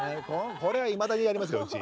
これはいまだにやりますけどうち。